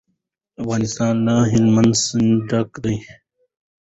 افغانستان له هلمند سیند ډک دی.